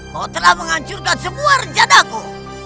kau telah menghancurkan semua rencana ku